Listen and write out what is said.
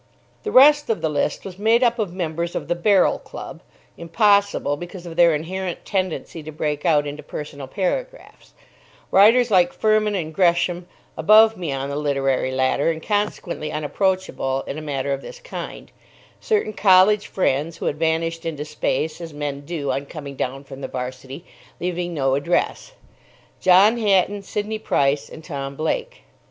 The rest of the list was made up of members of the Barrel Club (impossible because of their inherent tendency to break out into personal paragraphs); writers like Fermin and Gresham, above me on the literary ladder, and consequently unapproachable in a matter of this kind; certain college friends, who had vanished into space, as men do on coming down from the 'Varsity, leaving no address; John Hatton, Sidney Price, and Tom Blake.